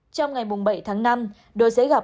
trong ngày bảy tháng năm đội sẽ gặp